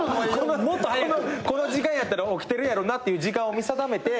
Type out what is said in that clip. この時間やったら起きてるやろなっていう時間を見定めて。